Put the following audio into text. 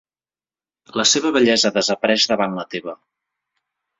La seva bellesa desapareix davant la teva.